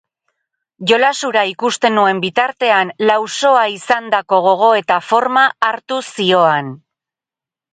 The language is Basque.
Jolas hura ikusten nuen bitartean, lausoa izandako gogoeta forma hartuz zihoan.